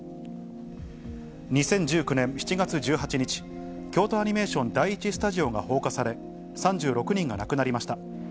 ２０１９年７月１８日、京都アニメーション第１スタジオが放火され、３６人が亡くなりました。